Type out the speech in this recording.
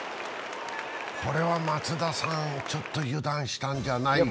これは松田さん、ちょっと油断したんじゃないか。